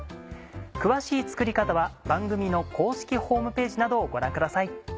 詳しい作り方は番組の公式ホームページなどをご覧ください。